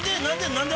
何で？